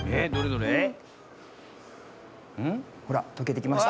ほらとけてきました。